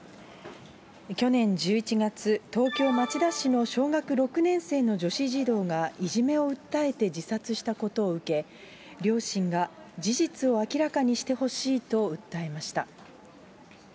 去年１１月、東京・町田市の小学６年生の女子児童がいじめを訴えて自殺したことを受け、両親が事実を明らかにしてほしいと訴えました。